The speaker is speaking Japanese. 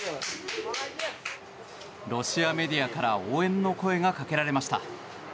ロシアメディアから応援の声がかけられました。